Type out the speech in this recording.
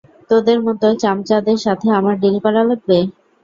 তোদের মতো চামচাদের সাথে আমার ডিল করা লাগবে?